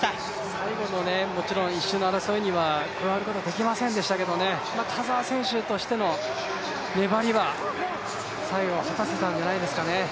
最後のもちろん１周の争いに加わることはできませんでしたが田澤選手としての粘りは最後、果たせたんじゃないですかね。